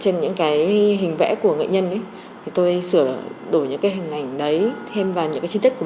trên những cái hình vẽ của nghệ nhân ấy thì tôi sửa đổi những cái hình ảnh đấy thêm vào những cái chi tiết của